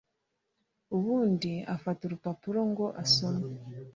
ubundi afata urupapuro ngo asome.